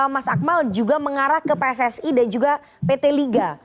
mas akmal juga mengarah ke pssi dan juga pt liga